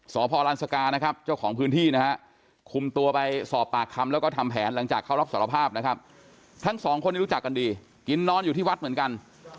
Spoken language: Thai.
พรรันสกานะครับเจ้าของพื้นที่นะฮะคุมตัวไปสอบปากคำแล้วก็ทำแผนหลังจากเขารับสารภาพนะครับทั้งสองคนนี้รู้จักกันดีกินนอนอยู่ที่วัดเหมือนกัน